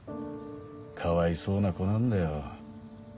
かわいそうな子なんだよ。